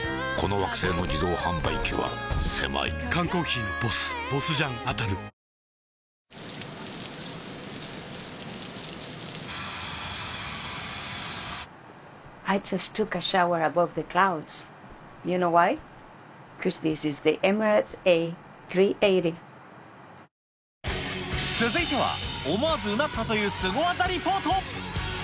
缶コーヒーの「ＢＯＳＳ」続いては、思わずうなったというスゴ技リポート。